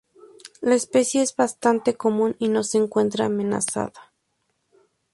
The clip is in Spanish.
La especie es bastante común, y no se encuentra amenazada.